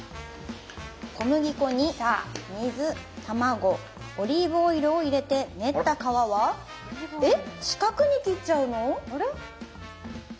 小麦粉に水卵オリーブオイルを入れて練った皮はえっ四角に切っちゃうの？